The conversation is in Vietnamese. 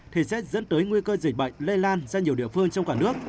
thì sẽ dẫn tới nguy cơ dịch bệnh lây lan ra nhiều địa phương trong cả nước